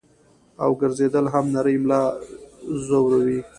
او ګرځېدل هم نرۍ ملا زوري -